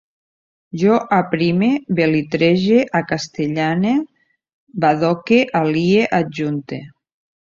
Jo aprime, belitrege, acastellane, badoque, alie, adjunte